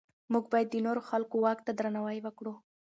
موږ باید د نورو خلکو واک ته درناوی وکړو.